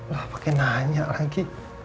lah pakai nanya lagi